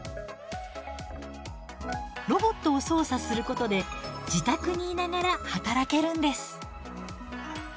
ロボットを操作することで自宅にいながら働けるんです。